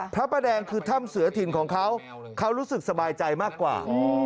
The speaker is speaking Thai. พระประแดงคือถ้ำเสือถิ่นของเขาเขารู้สึกสบายใจมากกว่า